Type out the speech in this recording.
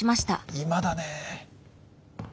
今だねぇ。